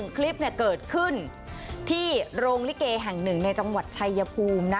คลิปเกิดขึ้นที่โรงลิเกแห่งหนึ่งในจังหวัดชายภูมินะ